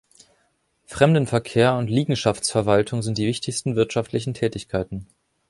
Fremdenverkehr und Liegenschaftsverwaltung sind die wichtigsten wirtschaftlichen Tätigkeiten.